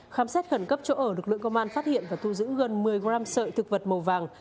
khám xét khẩn cấp chỗ ở lực lượng công an phát hiện và thu giữ gần một mươi gram sợi thực vật màu vàng